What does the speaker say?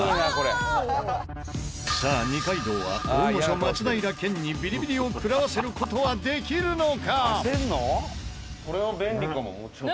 さあ二階堂は大御所松平健にビリビリを食らわせる事はできるのか？